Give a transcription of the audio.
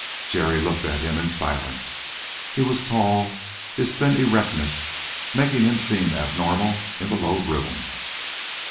Jerry looked at him in silence. He was tall, his thin erectness making him seem abnormal in the low room.